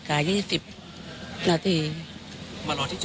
มารอที่จุดนี้ใช่ไหม